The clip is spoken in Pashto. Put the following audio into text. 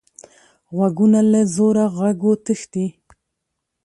غوږونه له زوره غږو تښتي